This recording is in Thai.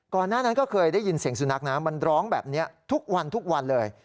หน้านั้นก็เคยได้ยินเสียงสุนัขนะมันร้องแบบนี้ทุกวันทุกวันเลย